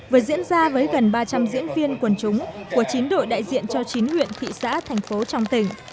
vừa diễn ra với gần ba trăm linh diễn viên quần chúng của chín đội đại diện cho chín huyện thị xã thành phố trong tỉnh